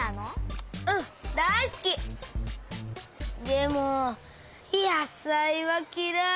でもやさいはきらい！